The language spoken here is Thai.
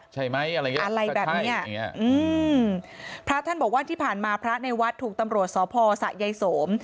ใช่ไหมอะไรแบบนี้พระท่านบอกว่าที่ผ่านมาพระในวัดถูกตำรวจสพสยสม